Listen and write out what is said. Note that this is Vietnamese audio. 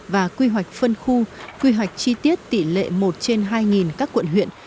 và quy hoạch phân khu quy hoạch chi tiết tỷ lệ một trên hai các quận huyện